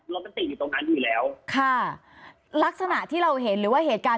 รถมันติดอยู่ตรงนั้นอยู่แล้วค่ะลักษณะที่เราเห็นหรือว่าเหตุการณ์